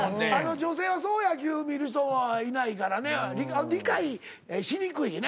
女性はそう野球見る人はいないからね理解しにくいんやね。